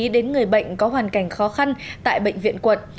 đến người bệnh có hoàn cảnh khó khăn tại bệnh viện quận